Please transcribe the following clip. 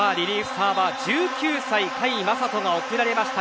サーバー甲斐優斗が送られました。